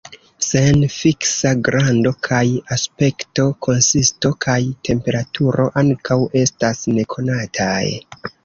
Sen fiksa grando kaj aspekto, konsisto kaj temperaturo ankaŭ estas nekonataj.